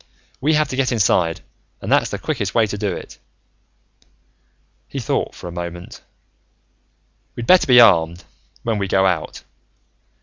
We have to get inside and that's the quickest way to do it." He thought for a moment. "We'd better be armed, when we go out.